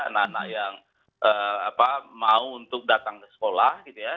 anak anak yang mau untuk datang ke sekolah gitu ya